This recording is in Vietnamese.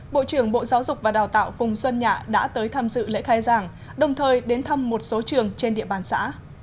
bộ trưởng bộ giáo dục và đào tạo phùng xuân nhạ đã tới tham dự lễ khai giảng đồng thời đến thăm một số trường trên địa bàn xã